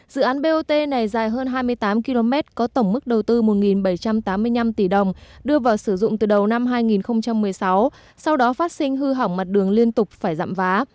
dự án bot này dài hơn hai mươi tám km có tổng mức đầu tư một bảy trăm tám mươi năm tỷ đồng đưa vào sử dụng từ đầu năm hai nghìn một mươi sáu sau đó phát sinh hư hỏng mặt đường liên tục phải dặm vá